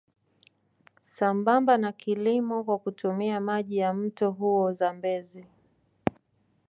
Sambamba na kilimo kwa kutumia maji ya mto huo Zambezi